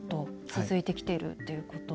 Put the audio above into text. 続いてきているということ。